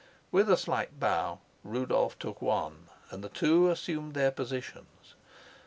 With a slight bow Rudolf took one, and the two assumed their positions.